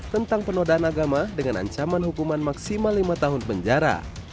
tentang penodaan agama dengan ancaman hukuman maksimal lima tahun penjara